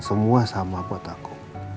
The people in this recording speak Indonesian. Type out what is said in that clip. semua sama buat aku